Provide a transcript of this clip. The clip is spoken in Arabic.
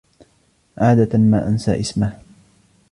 عادة ما أنسى إسمه.